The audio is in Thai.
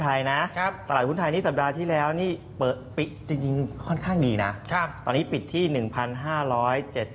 และก็สวัสดีคุณผู้ชมทางบ้านด้วย